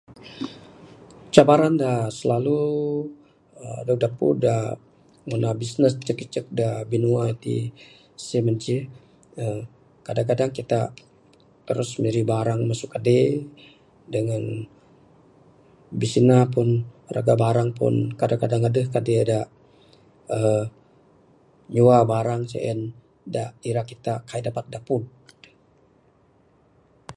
Cabaran da silalu aaa dog dapud aaa ngundah bisnes icek icek da binua ti, sien manceh, kadang-kadang kita terus mirih barang masu kade dangan bisina pun, raga barang pun kadang-kadang adeh kade da aaa nyua barang sien da ira kita kaik dapat dapud.